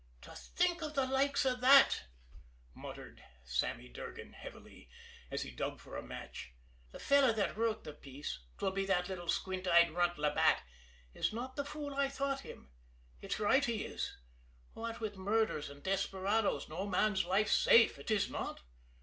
"To think of the likes of that!" muttered Sammy Durgan heavily, as he dug for a match. "The fellow that wrote the piece 'twill be that little squint eyed runt Labatt is not the fool I thought him. It's right, he is; what with murders and desperadoes no man's life's safe it is not!